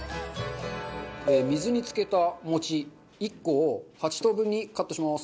水につけた餅１個を８等分にカットします。